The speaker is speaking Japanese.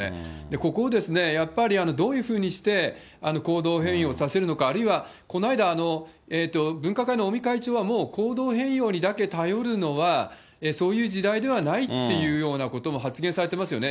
ここをやっぱりどういうふうにして行動変容をさせるのか、あるいは、この間、分科会の尾身会長はもう行動変容にだけ頼るのは、そういう時代ではないっていうようなことも発言されてますよね。